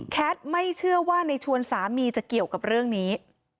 ไม่เชื่อว่าในชวนสามีจะเกี่ยวกับเรื่องนี้